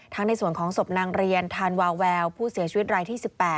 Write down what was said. ในส่วนของศพนางเรียนทานวาแววผู้เสียชีวิตรายที่๑๘